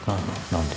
何で？